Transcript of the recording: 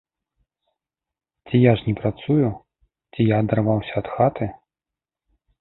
Ці я ж не працую, ці я адарваўся ад хаты?